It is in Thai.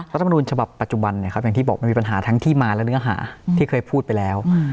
รัฐมนุนฉบับปัจจุบันเนี่ยครับอย่างที่บอกมันมีปัญหาทั้งที่มาและเนื้อหาที่เคยพูดไปแล้ว